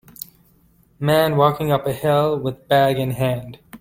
man walking up a hill with bag in hand